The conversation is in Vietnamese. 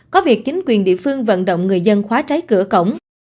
có việc chính quyền địa phương vận động người dân khóa trái cửa cổng